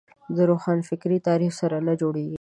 د روښانفکري تعریف سره نه جوړېږي